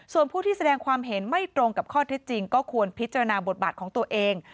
ส่วนผู้ที่แสดงความเห็นไม่ตรงกับข้อเท็จจริงก็ควรพิจารณาบทบาทของตัวเอง